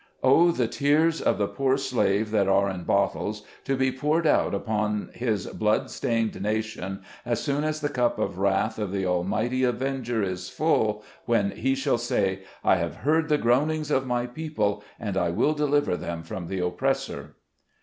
Oh, the tears of the poor slave that are in bottles, to be poured out upon his blood stained nation, as soon as the cup of wrath of the almighty Avenger is full, when he shall say, "I have heard the groan ings of my people, and I will deliver them from the oppressor!